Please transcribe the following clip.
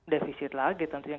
defisit lagi tentunya